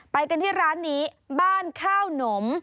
ไปกันที่ร้านนี้บ้านข้าวหนม